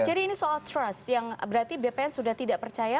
jadi ini soal trust yang berarti bpn sudah tidak percaya